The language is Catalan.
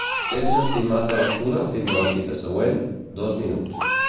Temps estimat de lectura fins a la fita següent: dos minuts.